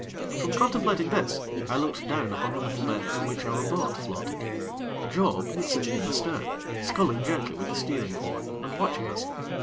From contemplating this, I looked down upon the little bay in which our boat floated. Job was sitting in the stern, sculling gently with the steering oar and watching us.